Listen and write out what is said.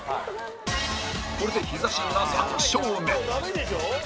これでヒザ神が３勝目